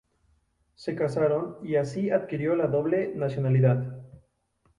Se casaron y así adquirió la doble nacionalidad.